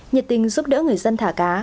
nhiệt tình giúp đỡ người dân thả cá